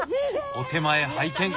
お手前拝見。